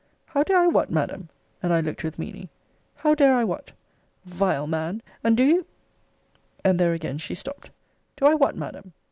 How dare I what, Madam? And I looked with meaning. How dare I what? Vile man And do you And there again she stopt. Do I what, Madam?